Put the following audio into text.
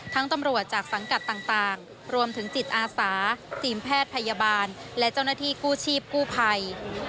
ตำรวจจากสังกัดต่างรวมถึงจิตอาสาทีมแพทย์พยาบาลและเจ้าหน้าที่กู้ชีพกู้ภัย